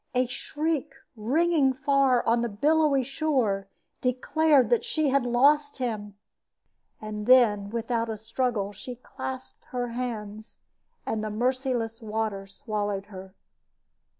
A shriek, ringing far on the billowy shore, declared that she had lost him; and then, without a struggle, she clasped her hands, and the merciless water swallowed her.